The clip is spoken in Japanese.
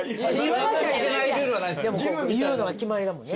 言うのが決まりだもんね。